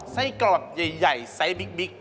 ไส้กรอกใหญ่ไซส์บิ๊ก